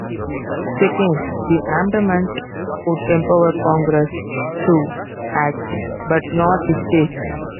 Second, the amendment would empower "Congress" to act, but not the states.